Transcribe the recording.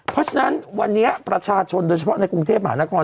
เพราะฉะนั้นวันนี้ประชาชนโดยเฉพาะในกรุงเทพมหานคร